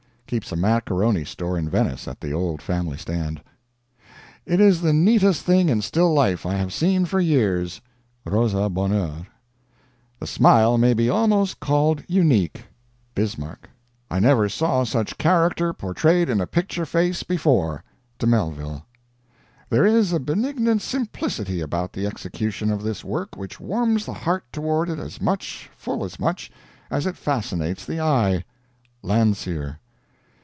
(Keeps a macaroni store in Venice, at the old family stand.) It is the neatest thing in still life I have seen for years. Rosa Bonheur. The smile may be almost called unique. Bismarck. I never saw such character portrayed in a picture face before. De Mellville. There is a benignant simplicity about the execution of this work which warms the heart toward it as much, full as much, as it fascinates the eye. Landseer.